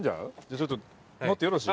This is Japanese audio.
ちょっと乗ってよろしい？